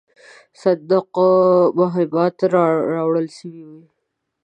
صندوقه مهمات راوړل سوي وې.